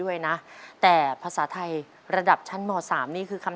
เยี่ยม